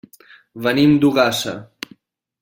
Venim d'Ogassa.